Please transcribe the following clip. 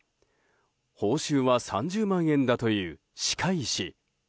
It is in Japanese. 報酬は３０万円だという歯科医師。